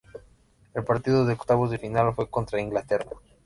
El partido de octavos de final fue contra Inglaterra.